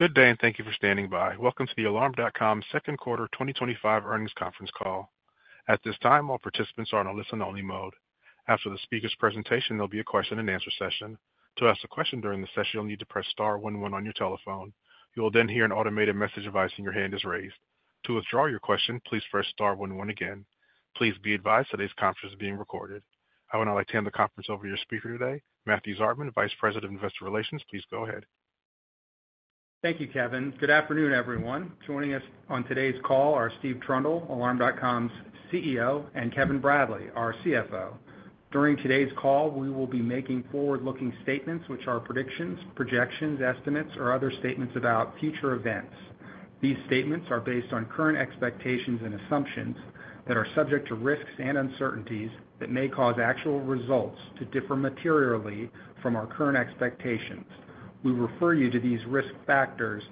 Good day and thank you for standing by. Welcome to the Alarm.com Second Quarter 2025 Earnings Conference Call. At this time, all participants are in a listen-only mode. After the speaker's presentation, there will be a question and answer session. To ask a question during the session, you'll need to press star one one on your telephone. You will then hear an automated message device and your hand is raised. To withdraw your question, please press star one one again. Please be advised today's conference is being recorded. I would now like to hand the conference over to your speaker today, Matthew Zartman, Vice President of Investor Relations. Please go ahead. Thank you, Kevin. Good afternoon, everyone. Joining us on today's call are Steve Trundle, Alarm.com's CEO, and Kevin Bradley, our CFO. During today's call, we will be making forward-looking statements, which are predictions, projections, estimates, or other statements about future events. These statements are based on current expectations and assumptions that are subject to risks and uncertainties that may cause actual results to differ materially from our current expectations. We refer you to these risk factors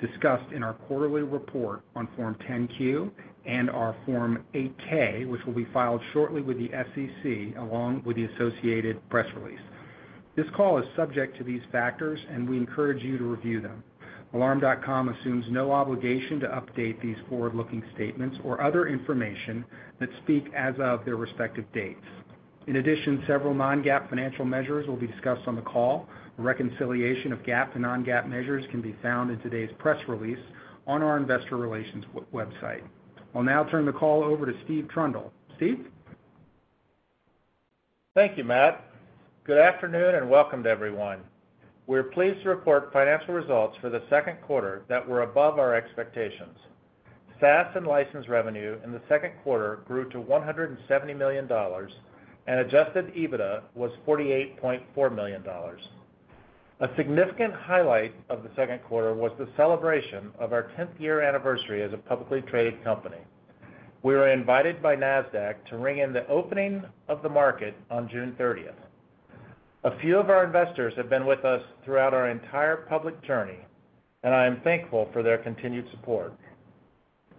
discussed in our quarterly report on Form 10-Q and our Form 8-K, which will be filed shortly with the SEC along with the associated press release. This call is subject to these factors, and we encourage you to review them. Alarm.com assumes no obligation to update these forward-looking statements or other information that speak as of their respective dates. In addition, several non-GAAP financial measures will be discussed on the call. Reconciliation of GAAP and non-GAAP measures can be found in today's press release on our Investor Relations website. I'll now turn the call over to Steve Trundle. Steve? Thank you, Matt. Good afternoon and welcome to everyone. We're pleased to report financial results for the second quarter that were above our expectations. SaaS and license revenue in the second quarter grew to $170 million and adjusted EBITDA was $48.4 million. A significant highlight of the second quarter was the celebration of our 10th year anniversary as a publicly traded company. We were invited by NASDAQ to ring in the opening of the market on June 30th. A few of our investors have been with us throughout our entire public journey, and I am thankful for their continued support.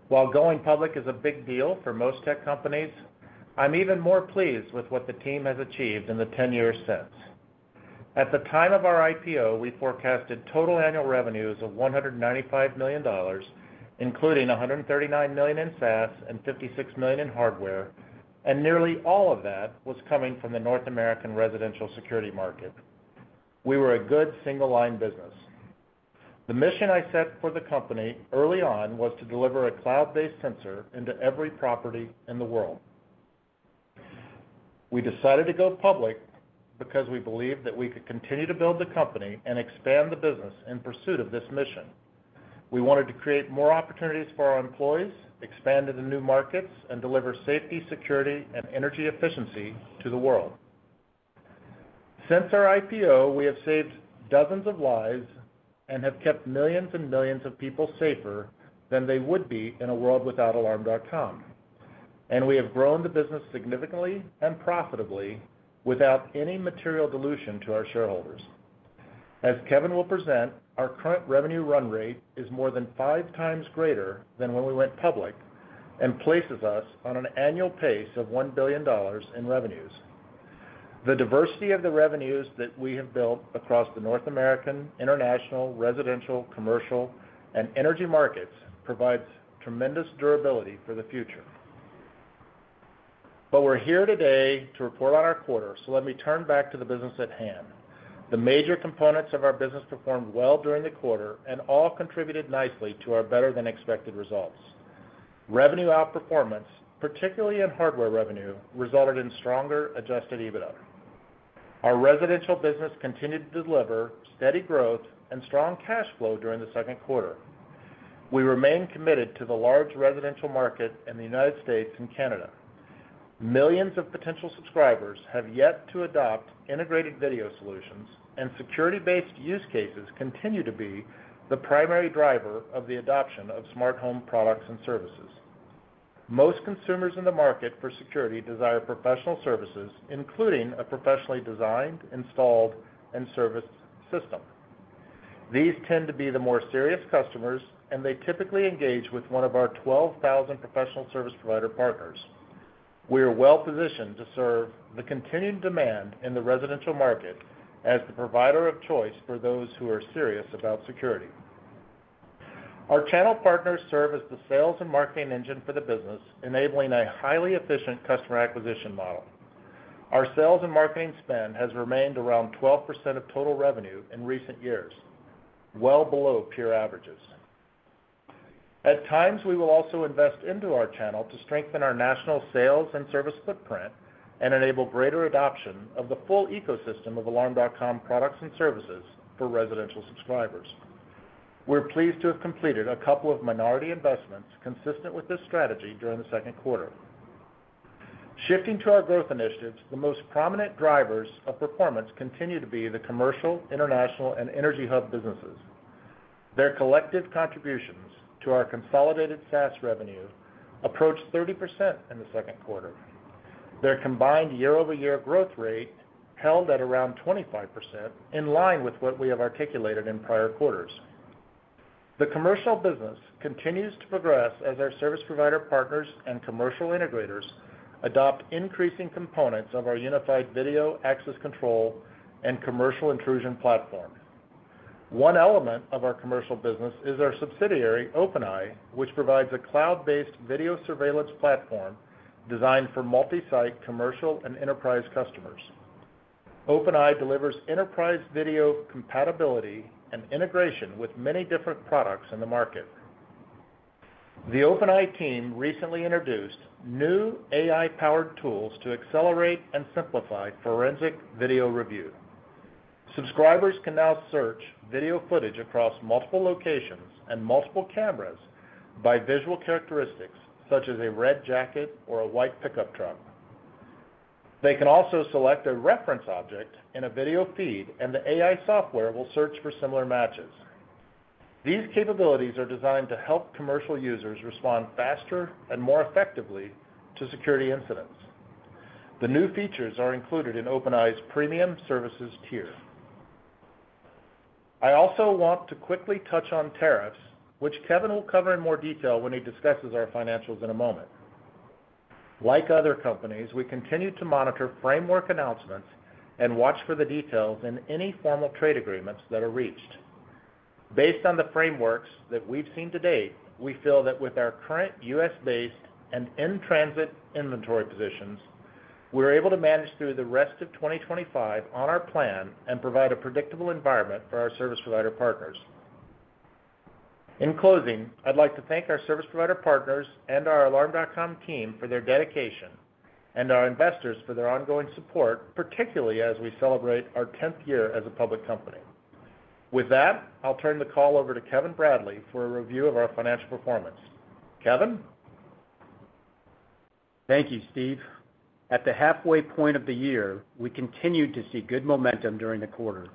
While going public is a big deal for most tech companies, I'm even more pleased with what the team has achieved in the 10 years since. At the time of our IPO, we forecasted total annual revenues of $195 million, including $139 million in SaaS and $56 million in hardware, and nearly all of that was coming from the North American residential security market. We were a good single-line business. The mission I set for the company early on was to deliver a cloud-based sensor into every property in the world. We decided to go public because we believed that we could continue to build the company and expand the business in pursuit of this mission. We wanted to create more opportunities for our employees, expand into new markets, and deliver safety, security, and energy efficiency to the world. Since our IPO, we have saved dozens of lives and have kept millions and millions of people safer than they would be in a world without Alarm.com. We have grown the business significantly and profitably without any material dilution to our shareholders. As Kevin will present, our current revenue run rate is more than five times greater than when we went public and places us on an annual pace of $1 billion in revenues. The diversity of the revenues that we have built across the North American, international, residential, commercial, and energy markets provides tremendous durability for the future. We're here today to report on our quarter, so let me turn back to the business at hand. The major components of our business performed well during the quarter and all contributed nicely to our better-than-expected results. Revenue outperformance, particularly in hardware revenue, resulted in stronger adjusted EBITDA. Our residential business continued to deliver steady growth and strong cash flow during the second quarter. We remain committed to the large residential market in the United States and Canada. Millions of potential subscribers have yet to adopt integrated video solutions, and security-based use cases continue to be the primary driver of the adoption of smart home products and services. Most consumers in the market for security desire professional services, including a professionally designed, installed, and serviced system. These tend to be the more serious customers, and they typically engage with one of our 12,000 professional service provider partners. We are well positioned to serve the continued demand in the residential market as the provider of choice for those who are serious about security. Our channel partners serve as the sales and marketing engine for the business, enabling a highly efficient customer acquisition model. Our sales and marketing spend has remained around 12% of total revenue in recent years, well below peer averages. At times, we will also invest into our channel to strengthen our national sales and service footprint and enable greater adoption of the full ecosystem of Alarm.com products and services for residential subscribers. We're pleased to have completed a couple of minority investments consistent with this strategy during the second quarter. Shifting to our growth initiatives, the most prominent drivers of performance continue to be the commercial, international, and EnergyHub businesses. Their collective contributions to our consolidated SaaS revenue approach 30% in the second quarter. Their combined year-over-year growth rate held at around 25%, in line with what we have articulated in prior quarters. The commercial business continues to progress as our service provider partners and commercial integrators adopt increasing components of our unified video access control and commercial intrusion platform. One element of our commercial business is our subsidiary OpenEye, which provides a cloud-based video surveillance platform designed for multi-site commercial and enterprise customers. OpenEye delivers enterprise video compatibility and integration with many different products in the market. The OpenEye team recently introduced new AI-powered tools to accelerate and simplify forensic video review. Subscribers can now search video footage across multiple locations and multiple cameras by visual characteristics such as a red jacket or a white pickup truck. They can also select a reference object in a video feed, and the AI software will search for similar matches. These capabilities are designed to help commercial users respond faster and more effectively to security incidents. The new features are included in OpenEye's Premium Services tier. I also want to quickly touch on tariffs, which Kevin will cover in more detail when he discusses our financials in a moment. Like other companies, we continue to monitor framework announcements and watch for the details in any formal trade agreements that are reached. Based on the frameworks that we've seen to date, we feel that with our current U.S.-based and in-transit inventory positions, we're able to manage through the rest of 2025 on our plan and provide a predictable environment for our service provider partners. In closing, I'd like to thank our service provider partners and our Alarm.com team for their dedication and our investors for their ongoing support, particularly as we celebrate our 10th year as a public company. With that, I'll turn the call over to Kevin Bradley for a review of our financial performance. Kevin. Thank you, Steve. At the halfway point of the year, we continued to see good momentum during the quarter.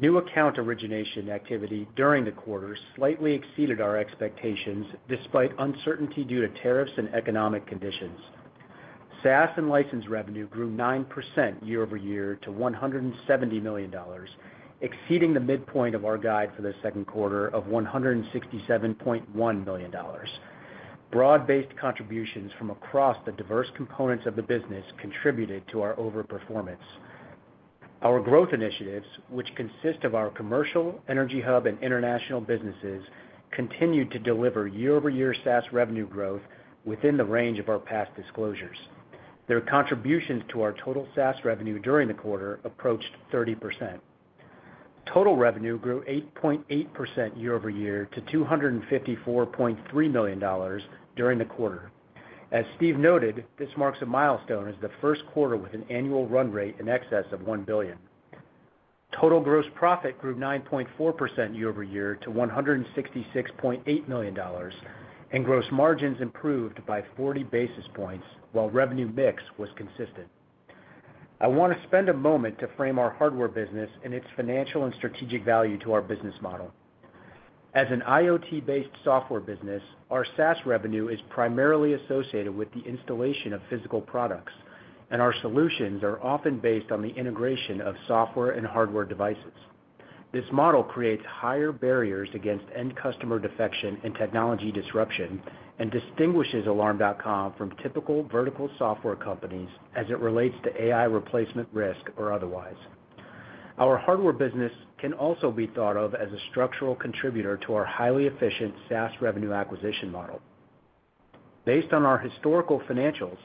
New account origination activity during the quarter slightly exceeded our expectations despite uncertainty due to tariffs and economic conditions. SaaS and license revenue grew 9% year-over-year to $170 million, exceeding the midpoint of our guide for the second quarter of $167.1 million. Broad-based contributions from across the diverse components of the business contributed to our overperformance. Our growth initiatives, which consist of our commercial, EnergyHub, and international businesses, continued to deliver year-over-year SaaS revenue growth within the range of our past disclosures. Their contributions to our total SaaS revenue during the quarter approached 30%. Total revenue grew 8.8% year-over-year to $254.3 million during the quarter. As Steve noted, this marks a milestone as the first quarter with an annual run rate in excess of $1 billion. Total gross profit grew 9.4% year-over-year to $166.8 million, and gross margins improved by 40 basis points, while revenue mix was consistent. I want to spend a moment to frame our hardware business and its financial and strategic value to our business model. As an IoT-based software business, our SaaS revenue is primarily associated with the installation of physical products, and our solutions are often based on the integration of software and hardware devices. This model creates higher barriers against end-customer defection and technology disruption and distinguishes Alarm.com from typical vertical software companies as it relates to AI replacement risk or otherwise. Our hardware business can also be thought of as a structural contributor to our highly efficient SaaS revenue acquisition model. Based on our historical financials,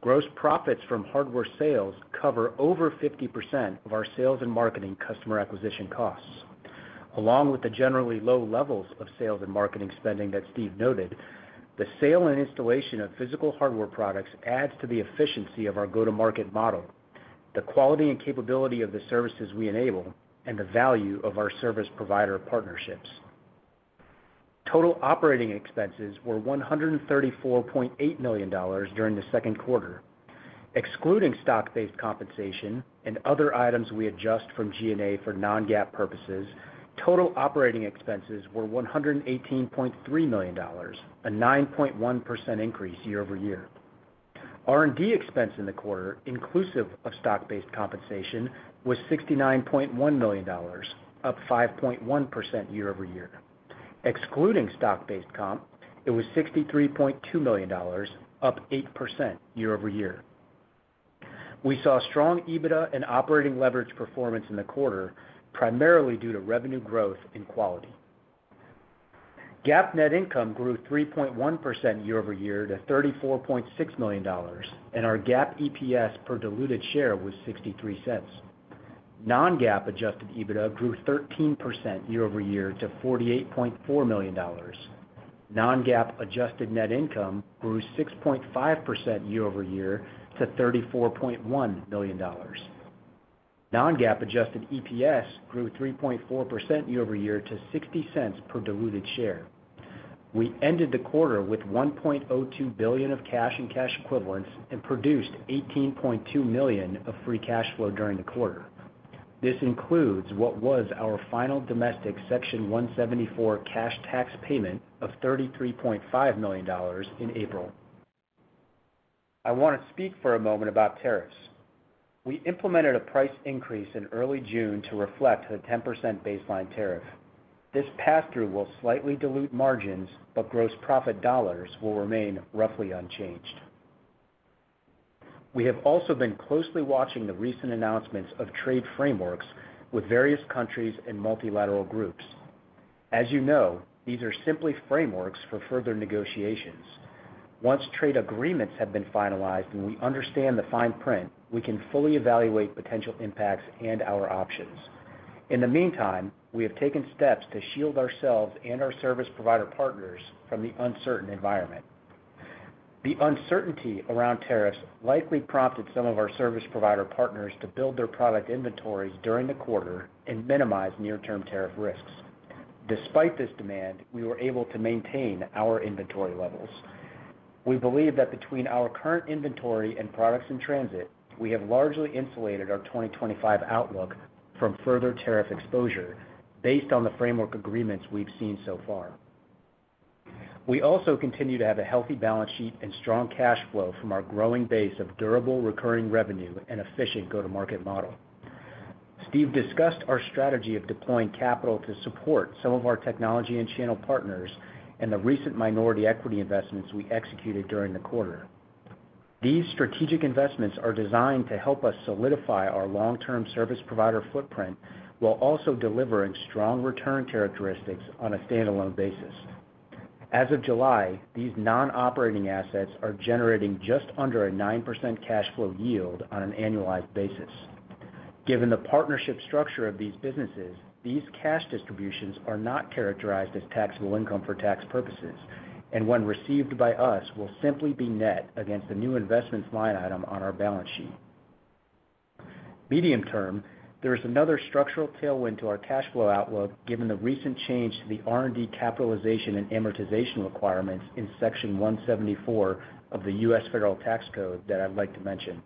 gross profits from hardware sales cover over 50% of our sales and marketing customer acquisition costs. Along with the generally low levels of sales and marketing spending that Steve noted, the sale and installation of physical hardware products adds to the efficiency of our go-to-market model, the quality and capability of the services we enable, and the value of our service provider partnerships. Total operating expenses were $134.8 million during the second quarter. Excluding stock-based compensation and other items we adjust from G&A for non-GAAP purposes, total operating expenses were $118.3 million, a 9.1% increase year-over-year. R&D expense in the quarter, inclusive of stock-based compensation, was $69.1 million, up 5.1% year-over-year. Excluding stock-based comp, it was $63.2 million, up 8% year-over-year. We saw strong EBITDA and operating leverage performance in the quarter, primarily due to revenue growth and quality. GAAP net income grew 3.1% year-over-year to $34.6 million, and our GAAP EPS per diluted share was $0.63. Non-GAAP adjusted EBITDA grew 13% year-over-year to $48.4 million. Non-GAAP adjusted net income grew 6.5% year-over-year to $34.1 million. Non-GAAP adjusted EPS grew 3.4% year-over-year to $0.60 per diluted share. We ended the quarter with $1.02 billion of cash and cash equivalents and produced $18.2 million of free cash flow during the quarter. This includes what was our final domestic Section 174 cash tax payment of $33.5 million in April. I want to speak for a moment about tariffs. We implemented a price increase in early June to reflect the 10% baseline tariff. This pass-through will slightly dilute margins, but gross profit dollars will remain roughly unchanged. We have also been closely watching the recent announcements of trade frameworks with various countries and multilateral groups. As you know, these are simply frameworks for further negotiations. Once trade agreements have been finalized and we understand the fine print, we can fully evaluate potential impacts and our options. In the meantime, we have taken steps to shield ourselves and our service provider partners from the uncertain environment. The uncertainty around tariffs likely prompted some of our service provider partners to build their product inventories during the quarter and minimize near-term tariff risks. Despite this demand, we were able to maintain our inventory levels. We believe that between our current inventory and products in transit, we have largely insulated our 2025 outlook from further tariff exposure based on the framework agreements we've seen so far. We also continue to have a healthy balance sheet and strong cash flow from our growing base of durable recurring revenue and efficient go-to-market model. Steve discussed our strategy of deploying capital to support some of our technology and channel partners and the recent minority equity investments we executed during the quarter. These strategic investments are designed to help us solidify our long-term service provider footprint while also delivering strong return characteristics on a standalone basis. As of July, these non-operating assets are generating just under a 9% cash flow yield on an annualized basis. Given the partnership structure of these businesses, these cash distributions are not characterized as taxable income for tax purposes, and when received by us, will simply be net against the new investments line item on our balance sheet. Medium term, there is another structural tailwind to our cash flow outlook given the recent change to the R&D capitalization and amortization requirements in Section 174 of the U.S. Federal Tax Code that I'd like to mention.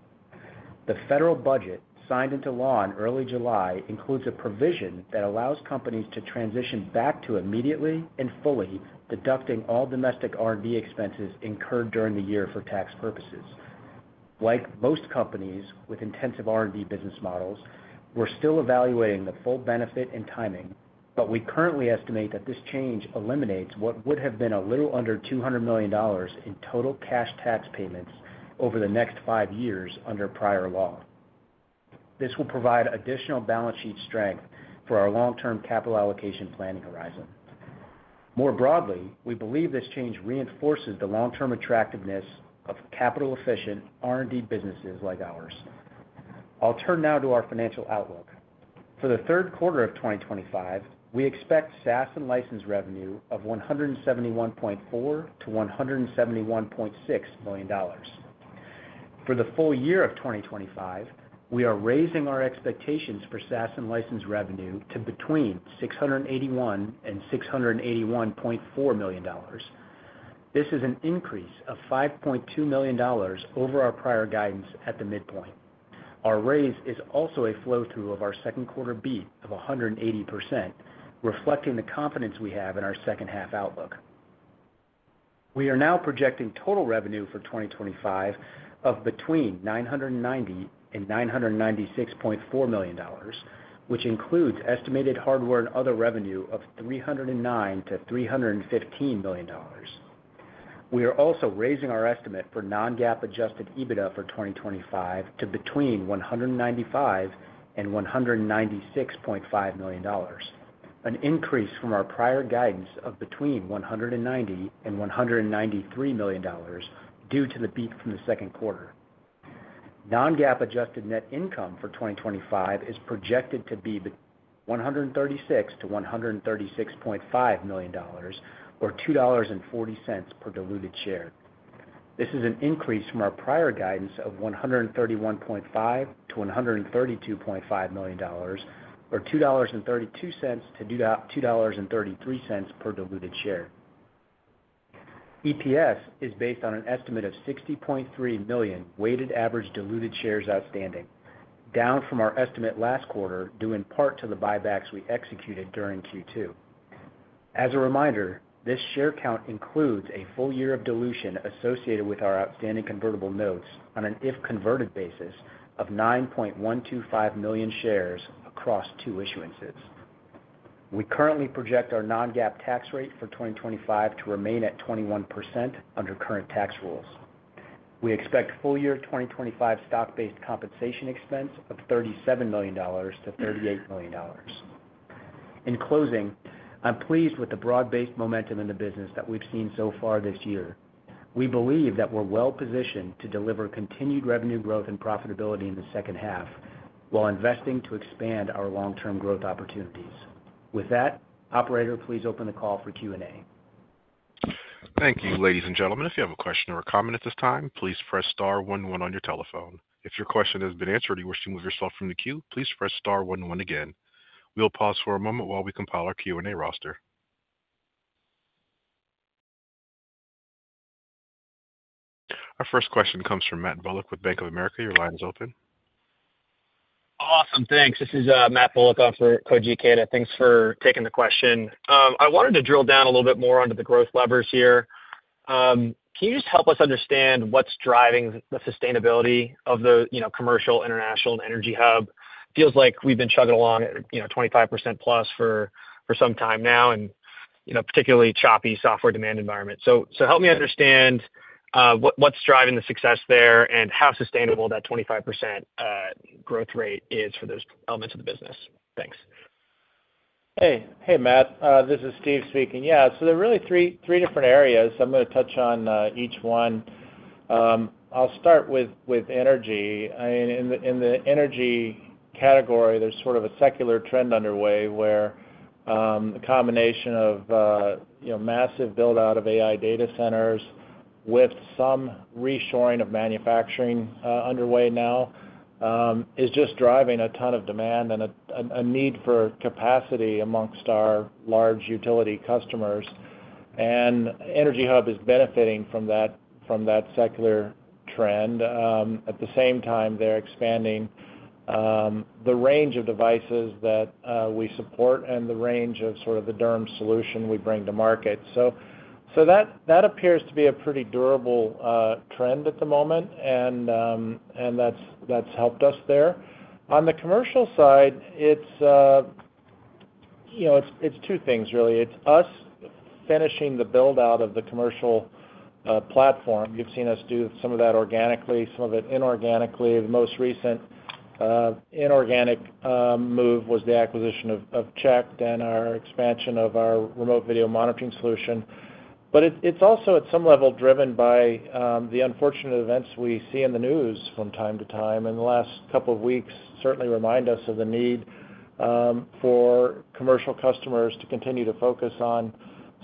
The federal budget signed into law in early July includes a provision that allows companies to transition back to immediately and fully deducting all domestic R&D expenses incurred during the year for tax purposes. Like most companies with intensive R&D business models, we're still evaluating the full benefit and timing, but we currently estimate that this change eliminates what would have been a little under $200 million in total cash tax payments over the next five years under prior law. This will provide additional balance sheet strength for our long-term capital allocation planning horizon. More broadly, we believe this change reinforces the long-term attractiveness of capital-efficient R&D businesses like ours. I'll turn now to our financial outlook. For the third quarter of 2025, we expect SaaS and license revenue of $171.4 million-$171.6 million. For the full year of 2025, we are raising our expectations for SaaS and license revenue to between $681 million and $681.4 million. This is an increase of $5.2 million over our prior guidance at the midpoint. Our raise is also a flow-through of our second quarter beat of 180%, reflecting the confidence we have in our second half outlook. We are now projecting total revenue for 2025 of between $990 million and $996.4 million, which includes estimated hardware and other revenue of $309 million-$315 million. We are also raising our estimate for non-GAAP adjusted EBITDA for 2025 to between $195 million and $196.5 million, an increase from our prior guidance of between $190 million and $193 million due to the beat from the second quarter. Non-GAAP adjusted net income for 2025 is projected to be between $136 million-$136.5 million, or $2.40 per diluted share. This is an increase from our prior guidance of $131.5 million to $132.5 million, or $2.32 to $2.33 per diluted share. EPS is based on an estimate of 60.3 million weighted average diluted shares outstanding, down from our estimate last quarter due in part to the buybacks we executed during Q2. As a reminder, this share count includes a full year of dilution associated with our outstanding convertible notes on an if-converted basis of 9.125 million shares across two issuances. We currently project our non-GAAP tax rate for 2025 to remain at 21% under current tax rules. We expect full-year 2025 stock-based compensation expense of $37 million-$38 million. In closing, I'm pleased with the broad-based momentum in the business that we've seen so far this year. We believe that we're well positioned to deliver continued revenue growth and profitability in the second half while investing to expand our long-term growth opportunities. With that, operator, please open the call for Q&A. Thank you, ladies and gentlemen. If you have a question or a comment at this time, please press star one one on your telephone. If your question has been answered and you wish to move yourself from the queue, please press star one one again. We'll pause for a moment while we compile our Q&A roster. Our first question comes from Matt Bullock with Bank of America. Your line is open. Awesome, thanks. This is Matt Bullock, [on for Co GK]. Thanks for taking the question. I wanted to drill down a little bit more onto the growth levers here. Can you just help us understand what's driving the sustainability of the, you know, commercial, international, and EnergyHub? Feels like we've been chugging along at, you know, 25%+ for some time now, and, you know, particularly choppy software demand environment. Help me understand what's driving the success there and how sustainable that 25% growth rate is for those elements of the business. Thanks. Hey, hey Matt. This is Steve speaking. There are really three different areas. I'm going to touch on each one. I'll start with energy. In the energy category, there's sort of a secular trend underway where the combination of massive build-out of AI data centers with some reshoring of manufacturing underway now is just driving a ton of demand and a need for capacity amongst our large utility customers. EnergyHub is benefiting from that secular trend. At the same time, they're expanding the range of devices that we support and the range of the DERM solution we bring to market. That appears to be a pretty durable trend at the moment, and that's helped us there. On the commercial side, it's two things really. It's us finishing the build-out of the commercial platform. You've seen us do some of that organically, some of it inorganically. The most recent inorganic move was the acquisition of CHekT, then our expansion of our remote video monitoring solution. It's also at some level driven by the unfortunate events we see in the news from time to time. The last couple of weeks certainly remind us of the need for commercial customers to continue to focus on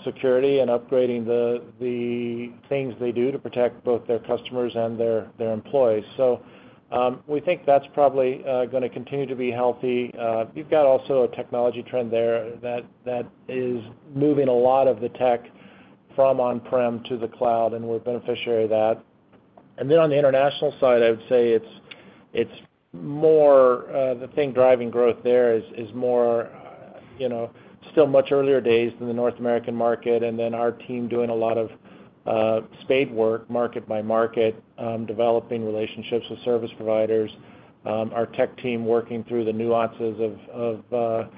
security and upgrading the things they do to protect both their customers and their employees. We think that's probably going to continue to be healthy. You've got also a technology trend there that is moving a lot of the tech from on-prem to the cloud, and we're a beneficiary of that. On the international side, I would say the thing driving growth there is more, you know, still much earlier days than the North American market. Our team is doing a lot of spade work, market by market, developing relationships with service providers, our tech team working through the nuances of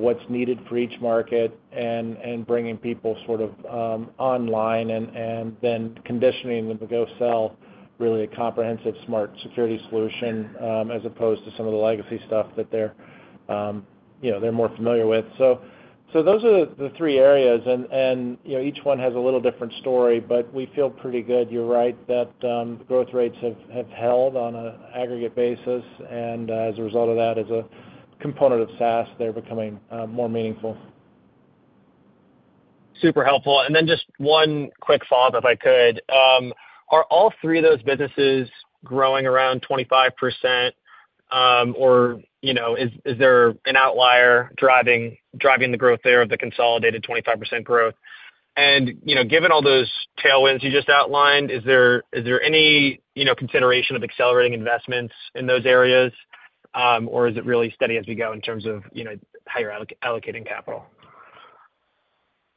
what's needed for each market and bringing people online and then conditioning them to go sell really a comprehensive smart security solution, as opposed to some of the legacy stuff that they're more familiar with. Those are the three areas. Each one has a little different story, but we feel pretty good. You're right that growth rates have held on an aggregate basis, and as a result of that, as a component of SaaS, they're becoming more meaningful. Super helpful. Just one quick follow-up if I could. Are all three of those businesses growing around 25%, or is there an outlier driving the growth there of the consolidated 25% growth? Given all those tailwinds you just outlined, is there any consideration of accelerating investments in those areas, or is it really steady as we go in terms of how you're allocating capital?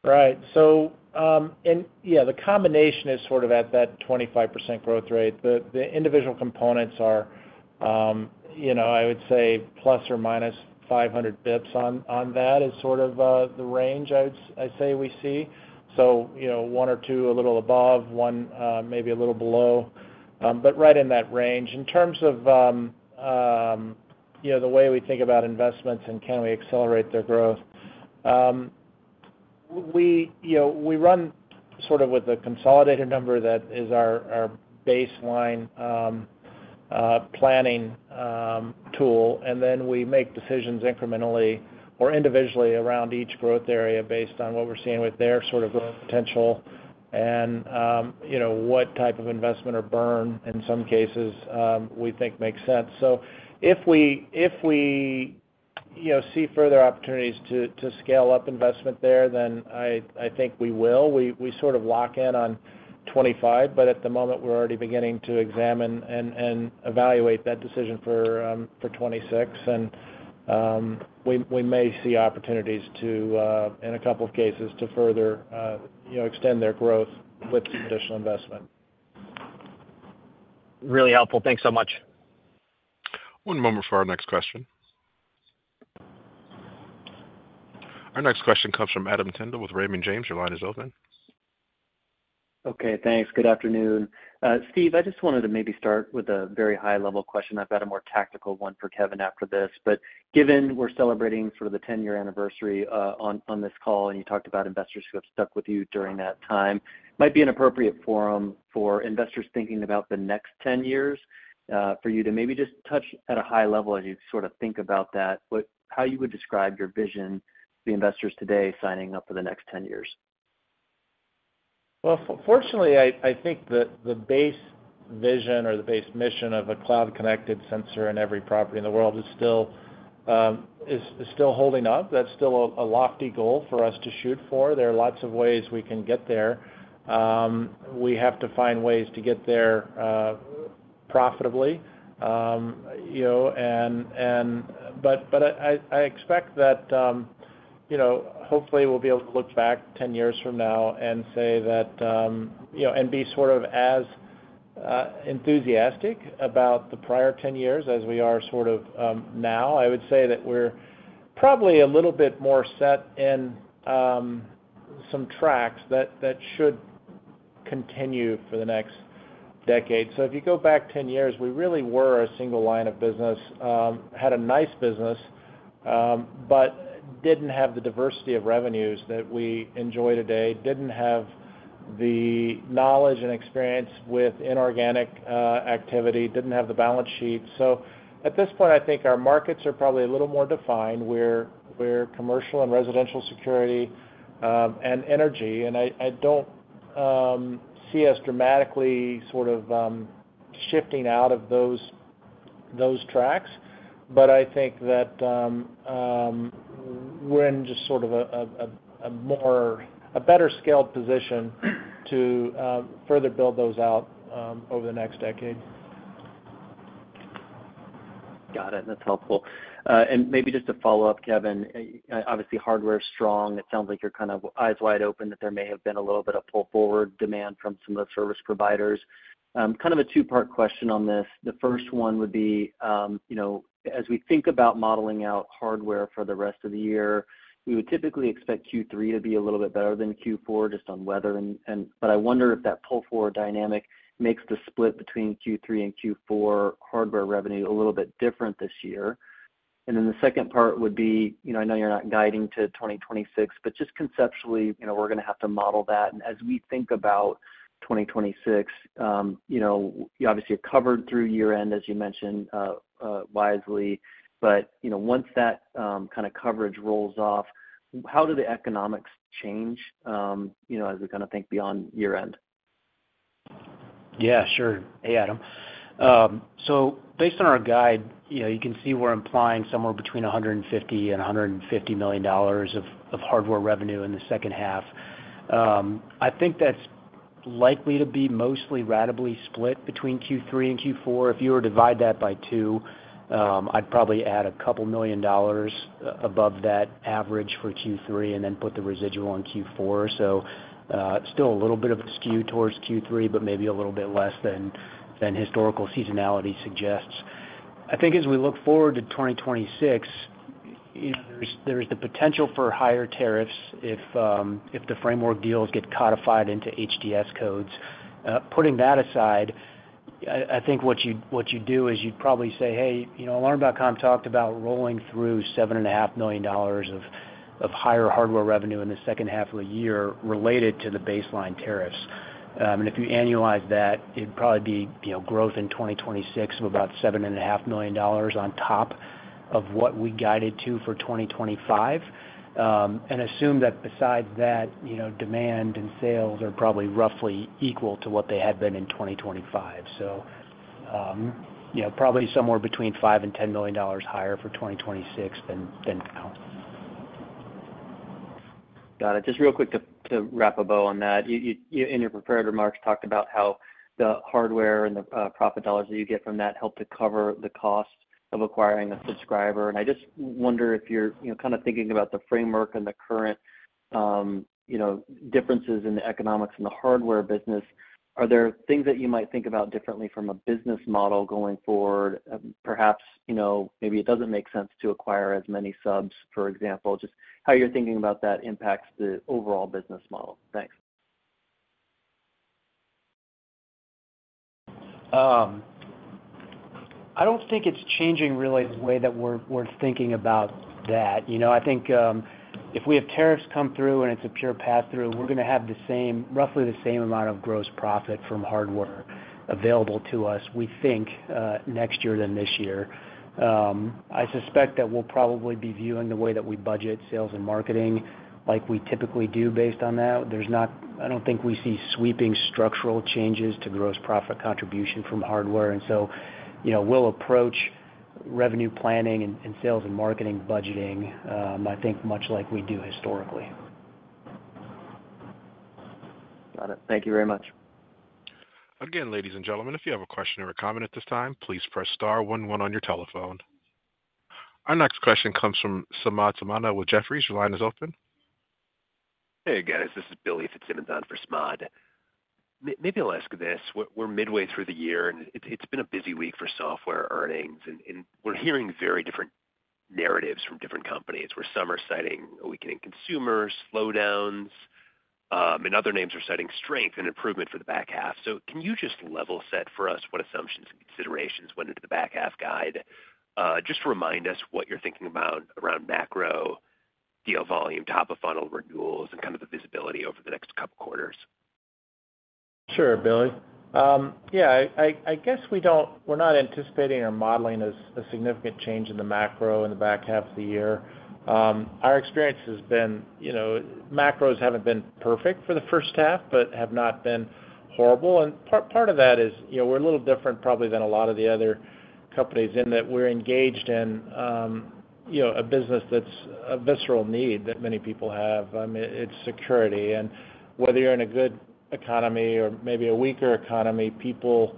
Right. The combination is sort of at that 25% growth rate. The individual components are, you know, I would say ±500 bps on that is sort of the range I would say we see. One or two a little above, one maybe a little below, but right in that range. In terms of the way we think about investments and can we accelerate their growth, we run sort of with a consolidated number that is our baseline planning tool. Then we make decisions incrementally or individually around each growth area based on what we're seeing with their potential and, you know, what type of investment or burn in some cases we think makes sense. If we see further opportunities to scale up investment there, then I think we will. We sort of lock in on 25%, but at the moment, we're already beginning to examine and evaluate that decision for 2026. We may see opportunities to, in a couple of cases, further extend their growth with some additional investment. Really helpful. Thanks so much. One moment for our next question. Our next question comes from Adam Tindle with Raymond James. Your line is open. Okay, thanks. Good afternoon. Steve, I just wanted to maybe start with a very high-level question. I've got a more tactical one for Kevin after this. Given we're celebrating sort of the 10-year anniversary on this call, and you talked about investors who have stuck with you during that time, it might be an appropriate forum for investors thinking about the next 10 years for you to maybe just touch at a high level as you sort of think about that, how you would describe your vision for the investors today signing up for the next 10 years. I think that the base vision or the base mission of a cloud-connected sensor in every property in the world is still holding up. That's still a lofty goal for us to shoot for. There are lots of ways we can get there. We have to find ways to get there profitably. I expect that, hopefully, we'll be able to look back 10 years from now and say that, and be sort of as enthusiastic about the prior 10 years as we are now. I would say that we're probably a little bit more set in some tracks that should continue for the next decade. If you go back 10 years, we really were a single line of business, had a nice business, but didn't have the diversity of revenues that we enjoy today, didn't have the knowledge and experience with inorganic activity, didn't have the balance sheet. At this point, I think our markets are probably a little more defined. We're commercial and residential security, and energy. I don't see us dramatically shifting out of those tracks. I think that we're in just a more, a better scaled position to further build those out over the next decade. Got it. That's helpful. Maybe just to follow up, Kevin, obviously, hardware is strong. It sounds like you're kind of eyes wide open that there may have been a little bit of pull forward demand from some of the service providers. Kind of a two-part question on this. The first one would be, you know, as we think about modeling out hardware for the rest of the year, we would typically expect Q3 to be a little bit better than Q4 just on weather. I wonder if that pull-forward dynamic makes the split between Q3 and Q4 hardware revenue a little bit different this year. The second part would be, you know, I know you're not guiding to 2026, but just conceptually, you know, we're going to have to model that. As we think about 2026, you know, you obviously are covered through year-end, as you mentioned, wisely. Once that kind of coverage rolls off, how do the economics change, you know, as we kind of think beyond year-end? Yeah, sure. Hey, Adam. Based on our guide, you can see we're implying somewhere between $150 million and $150 million of hardware revenue in the second half. I think that's likely to be mostly ratably split between Q3 and Q4. If you were to divide that by two, I'd probably add a couple million dollars above that average for Q3 and then put the residual on Q4. Still a little bit of a skew towards Q3, but maybe a little bit less than historical seasonality suggests. As we look forward to 2026, there's the potential for higher tariffs if the framework deals get codified into HTS codes. Putting that aside, I think what you do is you'd probably say, hey, you know, Alarm.com talked about rolling through $7.5 million of higher hardware revenue in the second half of the year related to the baseline tariffs. If you annualize that, it'd probably be growth in 2026 of about $7.5 million on top of what we guided to for 2025, and assume that besides that, demand and sales are probably roughly equal to what they had been in 2025. Probably somewhere between $5 million and $10 million higher for 2026 than now. Got it. Just real quick to wrap a bow on that. You, in your prepared remarks, talked about how the hardware and the profit dollars that you get from that help to cover the cost of acquiring a subscriber. I just wonder if you're, you know, kind of thinking about the framework and the current differences in the economics in the hardware business. Are there things that you might think about differently from a business model going forward? Perhaps, you know, maybe it doesn't make sense to acquire as many subs, for example. Just how you're thinking about that impacts the overall business model. Thanks. I don't think it's changing really the way that we're thinking about that. I think, if we have tariffs come through and it's a pure pass-through, we're going to have roughly the same amount of gross profit from hardware available to us, we think, next year than this year. I suspect that we'll probably be viewing the way that we budget sales and marketing like we typically do based on that. I don't think we see sweeping structural changes to gross profit contribution from hardware. We'll approach revenue planning and sales and marketing budgeting much like we do historically. Got it. Thank you very much. Again, ladies and gentlemen, if you have a question or a comment at this time, please press star one one on your telephone. Our next question comes from Samad Samana with Jefferies. Your line is open. Hey guys, this is Billy Fitzsimmons on for Samad. Maybe I'll ask this. We're midway through the year, and it's been a busy week for software earnings, and we're hearing very different narratives from different companies. Some are citing a weakening consumer, slowdowns, and other names are citing strength and improvement for the back half. Can you just level set for us what assumptions and considerations went into the back half guide? Just remind us what you're thinking about around macro, deal volume, top of funnel renewals, and kind of the visibility over the next couple of quarters. Sure, Billy. Yeah, I guess we don't, we're not anticipating or modeling a significant change in the macro in the back half of the year. Our experience has been, you know, macros haven't been perfect for the first half, but have not been horrible. Part of that is, you know, we're a little different probably than a lot of the other companies in that we're engaged in, you know, a business that's a visceral need that many people have. I mean, it's security. Whether you're in a good economy or maybe a weaker economy, people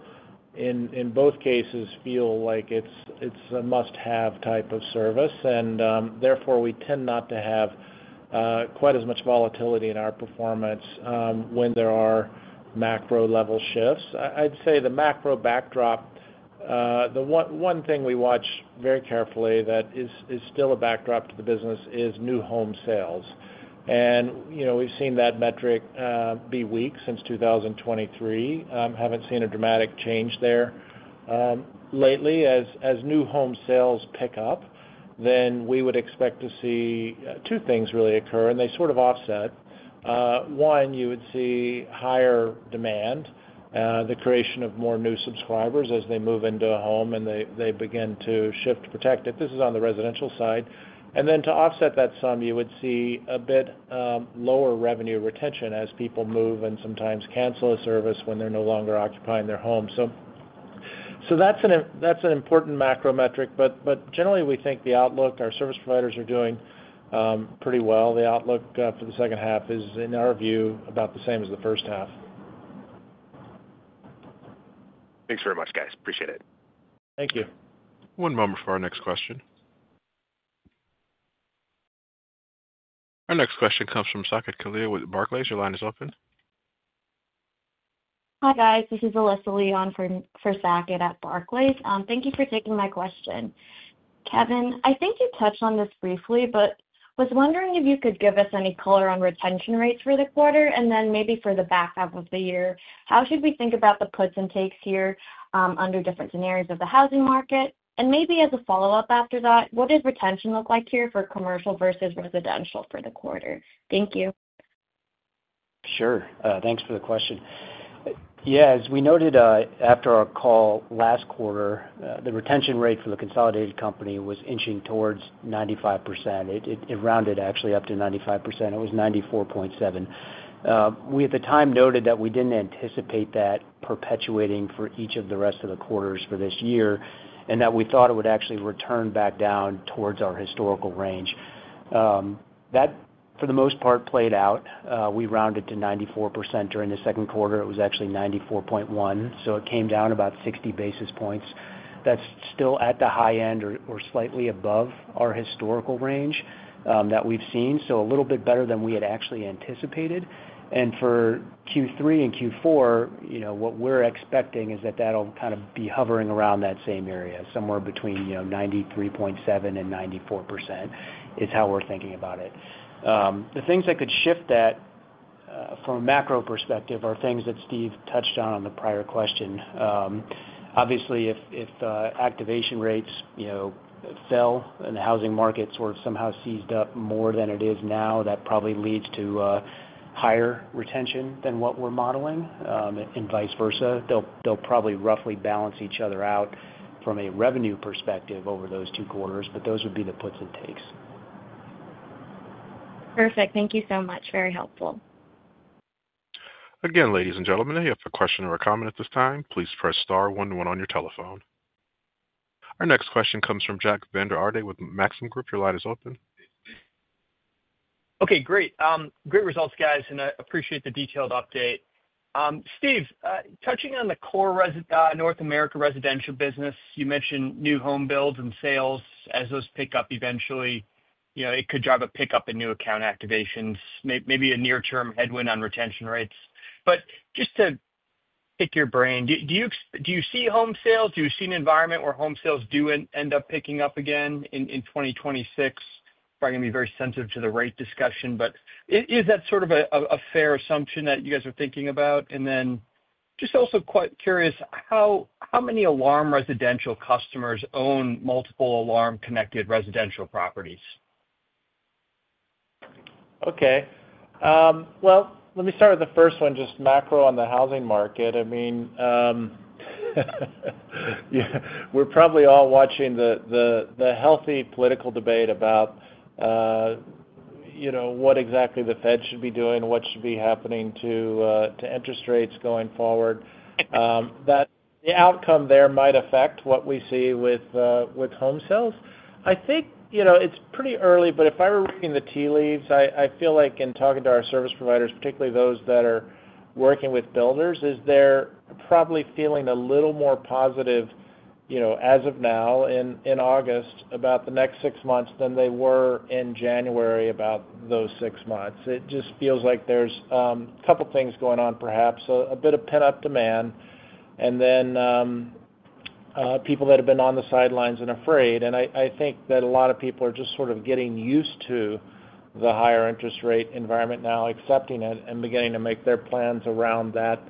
in both cases feel like it's a must-have type of service. Therefore, we tend not to have quite as much volatility in our performance when there are macro-level shifts. I'd say the macro backdrop, the one thing we watch very carefully that is still a backdrop to the business is new home sales. You know, we've seen that metric be weak since 2023. Haven't seen a dramatic change there. Lately, as new home sales pick up, then we would expect to see two things really occur, and they sort of offset. One, you would see higher demand, the creation of more new subscribers as they move into a home and they begin to shift to protect it. This is on the residential side. To offset that sum, you would see a bit lower revenue retention as people move and sometimes cancel a service when they're no longer occupying their home. That's an important macro metric, but generally, we think the outlook, our service providers are doing pretty well. The outlook for the second half is, in our view, about the same as the first half. Thanks very much, guys. Appreciate it. Thank you. One moment for our next question. Our next question comes from Saket Kalia with Barclays. Your line is open. Hi guys, this is Alyssa Lee on for Saket at Barclays. Thank you for taking my question. Kevin, I think you touched on this briefly, but was wondering if you could give us any color on retention rates for the quarter and then maybe for the back half of the year. How should we think about the puts and takes here under different scenarios of the housing market? Maybe as a follow-up after that, what does retention look like here for commercial versus residential for the quarter? Thank you. Sure. Thanks for the question. Yeah, as we noted after our call last quarter, the retention rate for the consolidated company was inching towards 95%. It rounded actually up to 95%. It was 94.7%. We, at the time, noted that we didn't anticipate that perpetuating for each of the rest of the quarters for this year and that we thought it would actually return back down towards our historical range. That, for the most part, played out. We rounded to 94% during the second quarter. It was actually 94.1%. It came down about 60 basis points. That's still at the high end or slightly above our historical range that we've seen. A little bit better than we had actually anticipated. For Q3 and Q4, you know, what we're expecting is that that'll kind of be hovering around that same area, somewhere between, you know, 93.7% and 94% is how we're thinking about it. The things that could shift that from a macro perspective are things that Steve touched on on the prior question. Obviously, if activation rates, you know, fell and the housing market sort of somehow seized up more than it is now, that probably leads to a higher retention than what we're modeling. Vice versa, they'll probably roughly balance each other out from a revenue perspective over those two quarters, but those would be the puts and takes. Perfect. Thank you so much. Very helpful. Again, ladies and gentlemen, if you have a question or a comment at this time, please press star one one on your telephone. Our next question comes from Jack Vander Aarde with Maxim Group. Your line is open. Okay, great. Great results, guys, and I appreciate the detailed update. Steve, touching on the core North America residential business, you mentioned new home builds and sales as those pick up eventually. It could drive a pickup in new account activations, maybe a near-term headwind on retention rates. Just to pick your brain, do you see home sales? Do you see an environment where home sales do end up picking up again in 2026? Probably going to be very sensitive to the rate discussion, but is that sort of a fair assumption that you guys are thinking about? Also, quite curious, how many Alarm.com residential customers own multiple Alarm-connected residential properties? Okay. Let me start with the first one, just macro on the housing market. I mean, we're probably all watching the healthy political debate about, you know, what exactly the Fed should be doing, what should be happening to interest rates going forward. The outcome there might affect what we see with home sales. I think, you know, it's pretty early, but if I were reading the tea leaves, I feel like in talking to our service providers, particularly those that are working with builders, they're probably feeling a little more positive, you know, as of now in August about the next six months than they were in January about those six months. It just feels like there's a couple of things going on, perhaps a bit of pent-up demand, and then people that have been on the sidelines and afraid. I think that a lot of people are just sort of getting used to the higher interest rate environment now, accepting it and beginning to make their plans around that,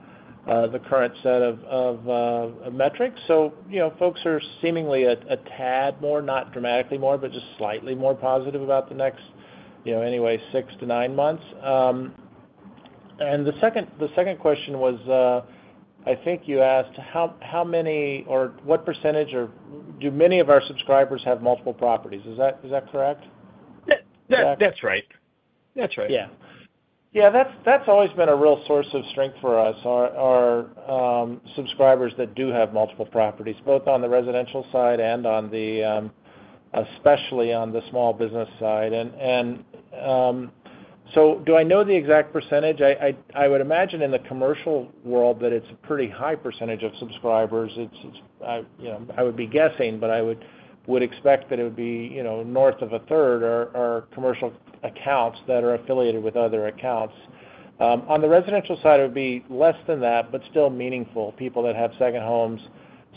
the current set of metrics. You know, folks are seemingly a tad more, not dramatically more, but just slightly more positive about the next, you know, anyway, six to nine months. The second question was, I think you asked how many or what percentage or do many of our subscribers have multiple properties. Is that correct? That's right. That's right. Yeah, that's always been a real source of strength for us, our subscribers that do have multiple properties, both on the residential side and especially on the small business side. Do I know the exact percentage? I would imagine in the commercial world that it's a pretty high percentage of subscribers. I would be guessing, but I would expect that it would be north of a third are commercial accounts that are affiliated with other accounts. On the residential side, it would be less than that, but still meaningful. People that have second homes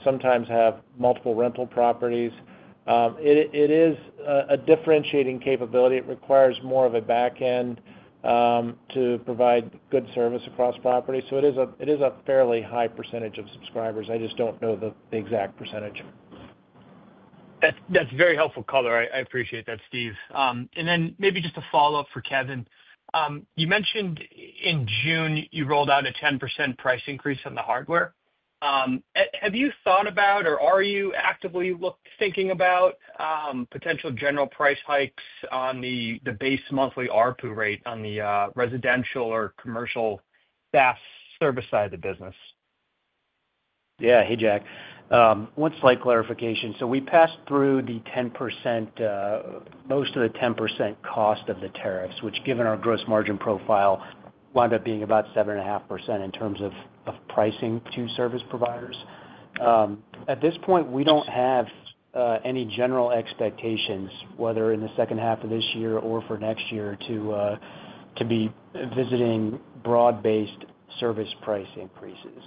sometimes have multiple rental properties. It is a differentiating capability. It requires more of a backend to provide good service across properties. It is a fairly high percentage of subscribers. I just don't know the exact percentage. That's very helpful color. I appreciate that, Steve. Maybe just a follow-up for Kevin. You mentioned in June you rolled out a 10% price increase on the hardware. Have you thought about or are you actively thinking about potential general price hikes on the base monthly ARPU rate on the residential or commercial SaaS service side of the business? Yeah, hey Jack. One slight clarification. We passed through the 10%, most of the 10% cost of the tariffs, which given our gross margin profile wound up being about 7.5% in terms of pricing to service providers. At this point, we don't have any general expectations, whether in the second half of this year or for next year, to be visiting broad-based service price increases.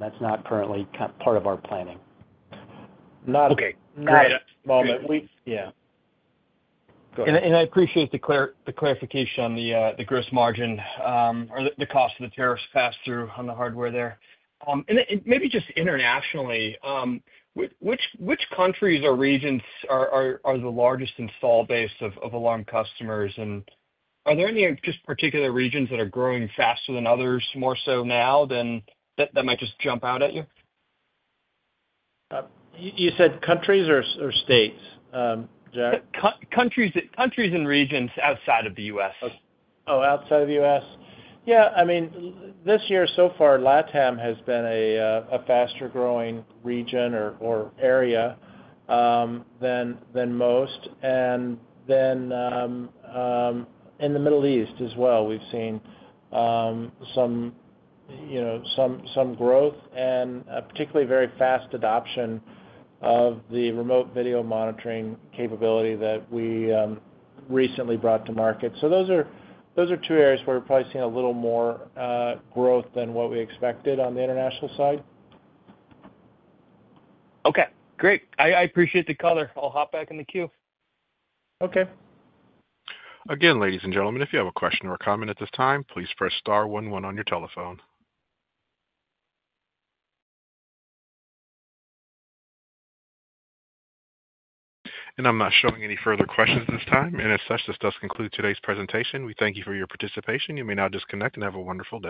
That's not currently part of our planning. Not at this moment. Yeah. I appreciate the clarification on the gross margin or the cost of the tariffs passed through on the hardware there. Internationally, which countries or regions are the largest install base of Alarm customers? Are there any particular regions that are growing faster than others, more so now, that might just jump out at you? You said countries or states? Countries and regions outside of the U.S. Oh, outside of the U.S. Yeah, I mean, this year so far, LATAM has been a faster growing region or area than most. In the Middle East as well, we've seen some growth and particularly very fast adoption of the remote video monitoring capability that we recently brought to market. Those are two areas where we're probably seeing a little more growth than what we expected on the international side. Okay, great. I appreciate the color. I'll hop back in the queue. Okay. Ladies and gentlemen, if you have a question or a comment at this time, please press star one one on your telephone. I'm not showing any further questions at this time. As such, this does conclude today's presentation. We thank you for your participation. You may now disconnect and have a wonderful day.